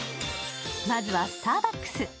まずはスターバックス。